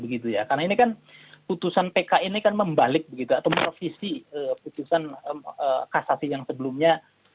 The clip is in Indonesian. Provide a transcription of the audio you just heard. karena ini kan putusan pk ini kan membalik atau mervisi putusan kasasi yang sebelumnya